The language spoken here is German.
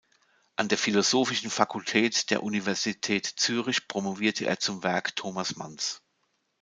An der Philosophischen Fakultät der Universität Zürich promovierte er zum Werk Thomas Manns.